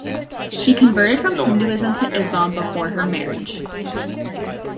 She converted from Hinduism to Islam before her marriage.